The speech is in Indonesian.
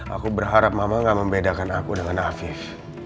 aku berharap mama gak membedakan aku dengan afif